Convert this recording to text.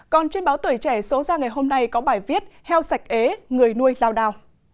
còn trên báo tuổi trẻ số ra ngày hôm nay có bài viết heo sạch ế người nuôi lao đào